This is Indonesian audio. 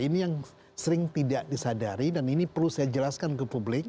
ini yang sering tidak disadari dan ini perlu saya jelaskan ke publik